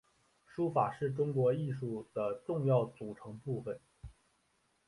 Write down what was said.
书法是中国艺术的重要组成部份。